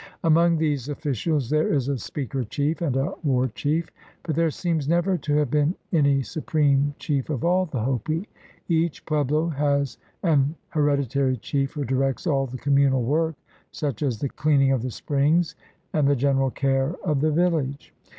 Among these officials there is a speaker chief and a war chief, but there seems never to have been any supreme chief of all the Hopi. Each pueblo has an hereditary chief who directs all the communal work, such as the cleaning of the springs and the general care of the village.